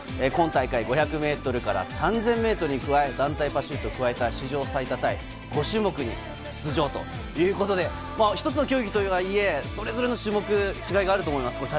今大会５００ｍから３０００ｍに加え、団体パシュートを加えた史上最多タイ、５種目に出場ということで、１つの競技とはいえ、それぞれの種目、違いがあると思います。